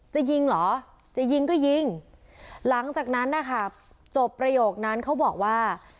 จะยิงเหรอจะยิงก็ยิงหลังจากนั้นนะคะจบประโยคนั้นเขาบอกว่า